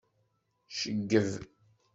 Ceggeb.